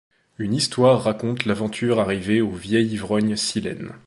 Une histoire raconte l'aventure arrivée au vieil ivrogne Silène.